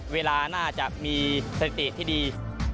เวลาน่าจะมีเศรษฐกิจที่ดี